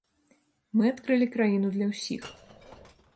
Мы адкрылі краіну для ўсіх.